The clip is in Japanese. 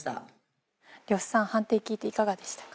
呂布さん判定を聞いていかがでしたか？